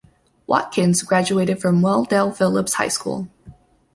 Watkins graduated from Wendell Phillips High School.